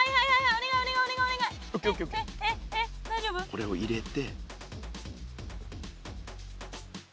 これを入れて。